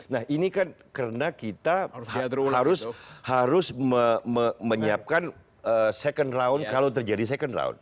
nah ini kan karena kita harus menyiapkan second round kalau terjadi second round